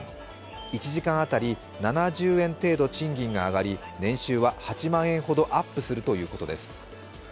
１時間当たり７０円程度賃金が上がり、年収は８万円ほどアップするということです。